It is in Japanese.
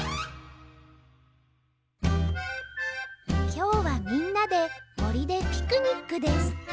きょうはみんなでもりでピクニックです